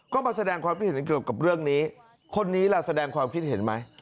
ก็มาแสดงความคิดเห็นเกี่ยวกับเรื่องนี้คนนี้ล่ะแสดงความคิดเห็นไหม